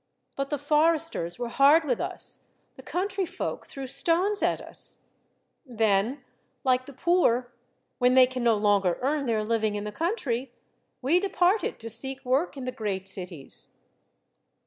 But the foresters were hard with us, the country folk threw stones at us. Then, like the poor, when they can no longer earn their living in the country, we departed to seek work in the great cities.